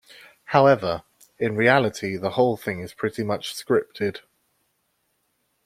However, in reality the whole thing is pretty much scripted.